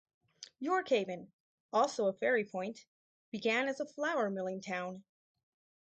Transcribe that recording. York Haven, also a ferry point, began as a flour milling town.